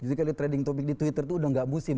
jadi kalau trading topic di twitter itu udah nggak musim